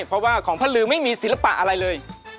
เพราะว่าของพระลือไม่มีศิลปะอะไรเลย